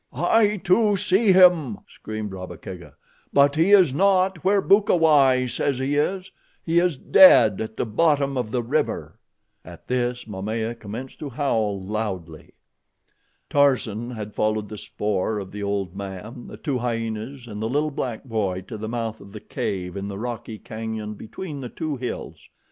"I, too, see him," screamed Rabba Kega; "but he is not where Bukawai says he is. He is dead at the bottom of the river." At this Momaya commenced to howl loudly. Tarzan had followed the spoor of the old man, the two hyenas, and the little black boy to the mouth of the cave in the rocky canyon between the two hills.